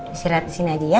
istirahat disini aja ya